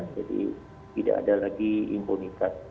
jadi tidak ada lagi impunikat